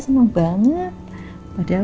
senang banget padahal